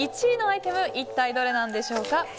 １位のアイテム一体、どれなんでしょうか。